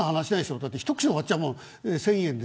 だって、一口で終わっちゃうものを１０００円で。